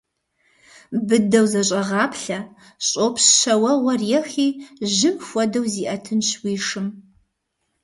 Быдэу зэщӏэгъаплъэ, щӏопщ щэ уэгъуэр ехи, жьым хуэдэу зиӏэтынщ уи шым.